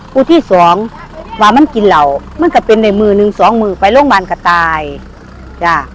ครูที่สองปลามันกินเหล่ามันก็เป็นในมือหนึ่งสองมือไปโรงพยาบาลกระต่ายจ้ะ